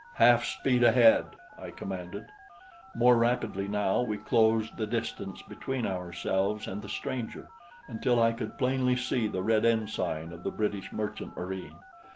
"Half speed ahead," I commanded. More rapidly now we closed the distance between ourselves and the stranger, until I could plainly see the red ensign of the British merchant marine.